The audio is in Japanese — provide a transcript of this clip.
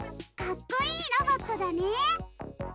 かっこいいロボットだね。